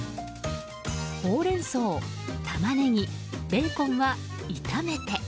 ホウレンソウ、タマネギベーコンは炒めて。